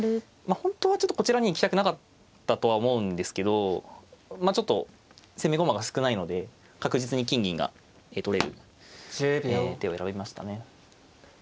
本当はちょっとこちらには行きたくなかったとは思うんですけどちょっと攻め駒が少ないので確実に金銀が取れる手を選びましたね。